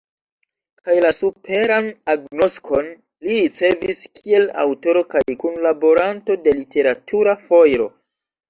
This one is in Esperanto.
Kaj la superan agnoskon li ricevis kiel aŭtoro kaj kunlaboranto de Literatura foiro.